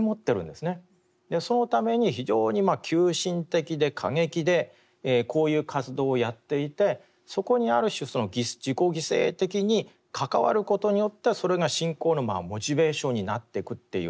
そのために非常に急進的で過激でこういう活動をやっていてそこにある種自己犠牲的に関わることによってそれが信仰のモチベーションになっていくっていう